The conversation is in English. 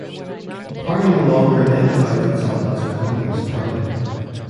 The party no longer identifies itself as a communist party.